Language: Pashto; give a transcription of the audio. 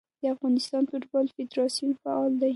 د افغانستان فوټبال فدراسیون فعال دی.